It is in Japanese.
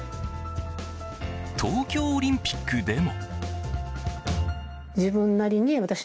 東京オリンピックでも。